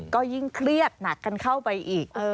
ก็ยิ่งเครียดหนักกันเข้าไปอีก